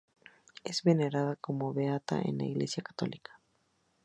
Es venerada como beata en la Iglesia católica.